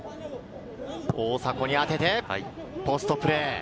大迫に当ててポストプレー。